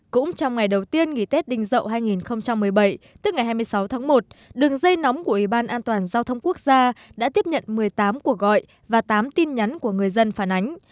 cũng trong ngày đầu tiên nghỉ tết đình dậu hai nghìn một mươi bảy tức ngày hai mươi sáu tháng một đường dây nóng của ủy ban an toàn giao thông quốc gia đã tiếp nhận một mươi tám cuộc gọi và tám tin nhắn của người dân phản ánh